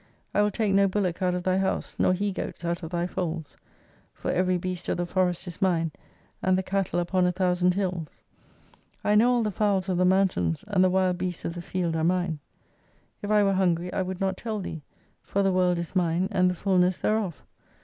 I will take no bullock out of thy house, nor he goats out of thy folds. For every beast of the forest is mine, and the cattle upon a thousand hills. I know all the fowls of the mountains, and the wild beasts of the field are mine. If I were hungry I would not tell thee; for the World is mine, and the fulness thereof.